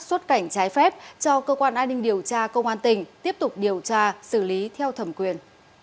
xuất cảnh trái phép cho cơ quan an ninh điều tra công an tỉnh tiếp tục điều tra xử lý theo thẩm quyền